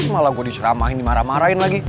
malah gue diceramahin dimarah marahin lagi